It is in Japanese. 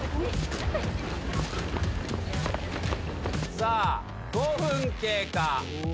さあ５分経過。